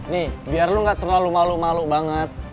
nih biar lu gak terlalu malu malu banget